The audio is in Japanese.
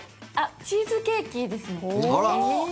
チーズケーキですね。